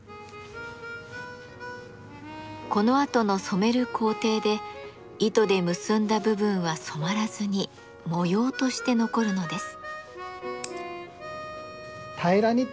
このあとの染める工程で糸で結んだ部分は染まらずに模様として残るのです。